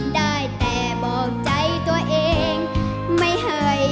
ได้แต่บอกใจตัวเองไม่ให้หยุดฝัน